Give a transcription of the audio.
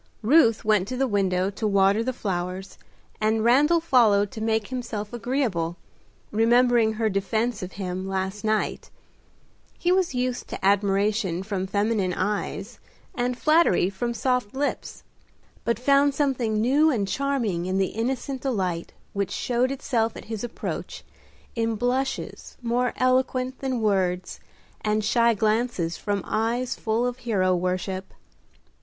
Ruth went to the window to water the flowers, and Randal followed to make himself agreeable, remembering her defence of him last night. He was used to admiration from feminine eyes, and flattery from soft lips, but found something new and charming in the innocent delight which showed itself at his approach in blushes more eloquent than words, and shy glances from eyes full of hero worship.